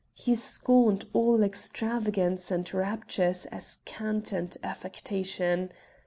He scorned all extravagance and raptures as cant and affectation.